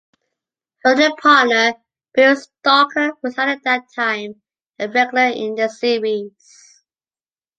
Her then partner, Bill Stalker, was at that time a regular in the series.